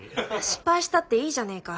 失敗したっていいじゃねえか。